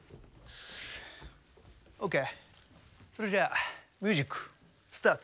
オーケーそれじゃミュージックスタート！